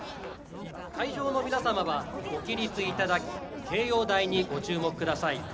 会場の皆様は、ご起立いただき掲揚台にご注目ください。